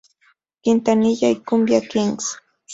Quintanilla y Kumbia Kings.